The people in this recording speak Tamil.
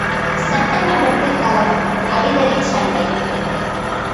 சட்டமன்றத்தில் கலகம், அடிதடிச் சண்டை!